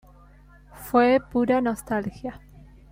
Fue pura nostalgia.